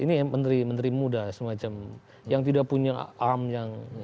ini menteri menteri muda semacam yang tidak punya arm yang